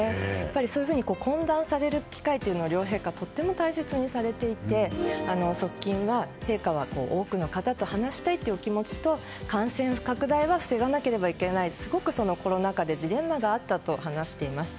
そういうふうに懇談される機会というのを両陛下はとても大切にされていて側近は、陛下は多くの方と話したいという気持ちと感染拡大は防がなければいけないすごくコロナ禍でジレンマがあったと話しています。